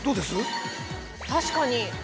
◆確かに。